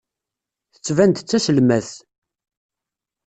Tettban-d d taselmadt.